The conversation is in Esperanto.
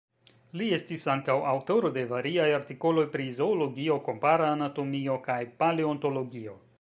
Li estis ankaŭ aŭtoro de variaj artikoloj pri zoologio, kompara anatomio kaj paleontologio.